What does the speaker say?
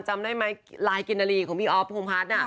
จำได้ไหมลายกินนาลีของพี่ออฟพรุ่งพลาด